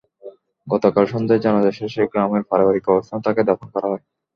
গতকাল সন্ধ্যায় জানাজা শেষে গ্রামের পারিবারিক কবরস্থানে তাঁকে দাফন করা হয়।